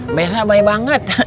mbak elsa baik banget